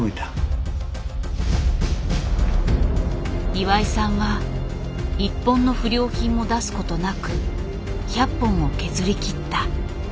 岩井さんは一本の不良品も出すことなく１００本を削りきった。